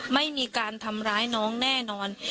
ไม่มีการทำร้ายน้องแน่นอน